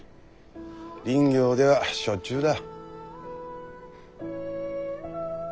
林業ではしょっちゅうだ。